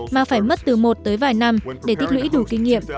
mà phải mất từ một tới vài năm để tích lũy đủ kinh nghiệm